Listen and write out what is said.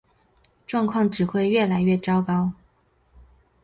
状况只会越来越糟糕